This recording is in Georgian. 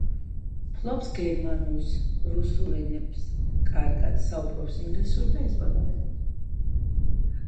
ფლობს გერმანულ, რუსულ ენებს კარგად, საუბრობს ინგლისურ და ესპანურ ენებზე.